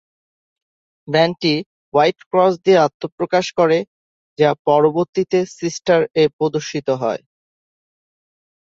ব্যান্ডটি "white cross" দিয়ে আত্মপ্রকাশ করে, যা পরবর্তীতে "সিস্টার" এ প্রদর্শিত হয়।